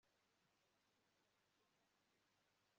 buri gihe ngura imboga nshya aho kuba izikonje